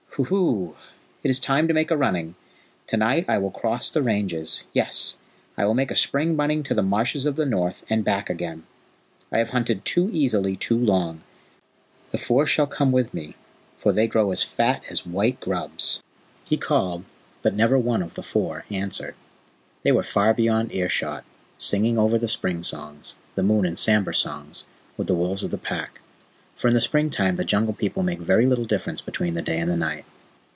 Huhu! It is time to make a running! To night I will cross the ranges; yes, I will make a spring running to the Marshes of the North, and back again. I have hunted too easily too long. The Four shall come with me, for they grow as fat as white grubs." He called, but never one of the Four answered. They were far beyond earshot, singing over the spring songs the Moon and Sambhur Songs with the wolves of the pack; for in the spring time the Jungle People make very little difference between the day and the night.